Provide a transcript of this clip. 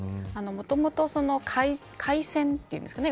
もともと海戦と言うんですかね